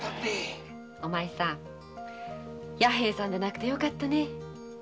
お前さん弥平さんでなくてよかったね。